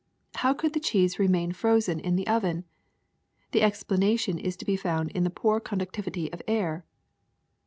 How could the cheese remain frozen in the oven? The explanation is to be found in the poor conductivity of air.